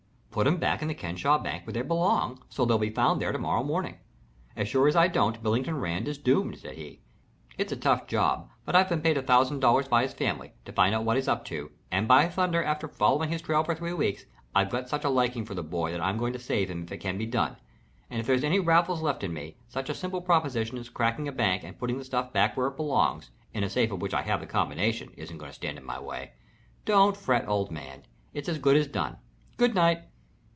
"Put 'em back in the Kenesaw Bank, where they belong, so that they'll be found there to morrow morning. As sure as I don't, Billington Rand is doomed," said he. "It's a tough job, but I've been paid a thousand dollars by his family, to find out what he's up to, and by thunder, after following his trail for three weeks, I've got such a liking for the boy that I'm going to save him if it can be done, and if there's any Raffles left in me, such a simple proposition as cracking a bank and puting the stuff back where it belongs, in a safe of which I have the combination, isn't going to stand in my way. Don't fret, old man, it's as good as done. Good night."